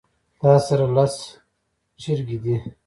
تاسره لس چرګې دي